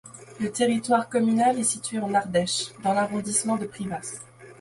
Le territoire communal est situé en Ardèche, dans l'arrondissement de Privas.